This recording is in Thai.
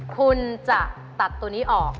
คุณจะตัดตัวนี้ออก